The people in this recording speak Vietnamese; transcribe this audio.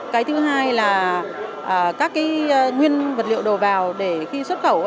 cái thứ hai là các nguyên vật liệu đồ vào để khi xuất khẩu